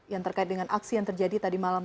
yang terkait dengan aksi yang terjadi tadi malam